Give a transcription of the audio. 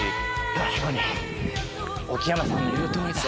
確かに沖山さんの言うとおりだ。